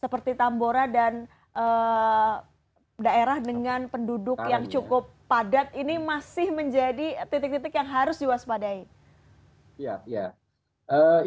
seperti tambora dan daerah dengan penduduk yang cukup padat ini masih menjadi titik titik yang harus diwaspadai